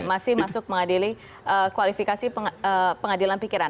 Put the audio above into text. masih masuk mengadili kualifikasi pengadilan pikiran